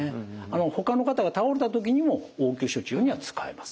ほかの方が倒れた時にも応急処置用には使えます。